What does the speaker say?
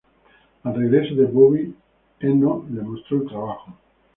Al regreso de Bowie, Eno le mostró el trabajo.